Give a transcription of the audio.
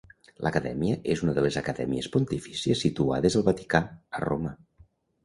L'acadèmia és una de les Acadèmies Pontifícies situades al Vaticà, a Roma.